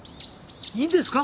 いいんですか？